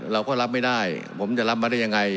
เราก็รับไม่ได้ผมจะรับมาได้ยังไง